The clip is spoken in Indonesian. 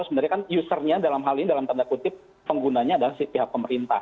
sebenarnya kan usernya dalam hal ini dalam tanda kutip penggunanya adalah si pihak pemerintah